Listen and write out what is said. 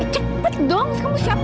cepet dong kamu siapin